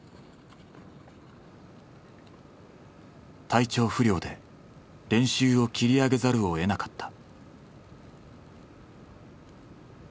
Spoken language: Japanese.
体調不良で練習を切り上げざるをえなかった。